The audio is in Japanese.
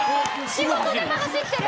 「仕事でも走ってる！」